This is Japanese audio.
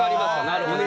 なるほど。